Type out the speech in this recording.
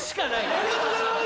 ありがとうございます！